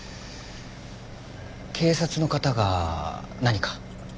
警察の方が何か？